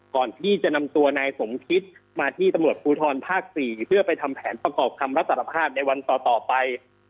ก่อนที่จะนำตัวนายสมคิดมาที่ตำรวจภูทรภาค๔เพื่อไปทำแผนประกอบคำรับสารภาพในวันต่อไป